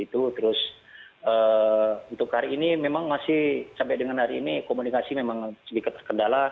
terus untuk hari ini memang masih sampai dengan hari ini komunikasi memang sedikit terkendala